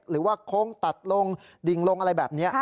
หรือว่าโค้งตัดลงดิงลงอะไรแบบนี้